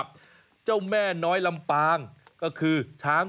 สปาช้าง